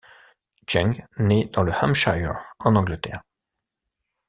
Cheng naît dans le Hampshire, en Angleterre.